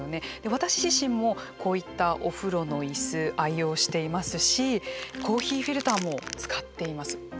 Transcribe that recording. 私自身もこういったお風呂のいす愛用していますしコーヒーフィルターも使っています。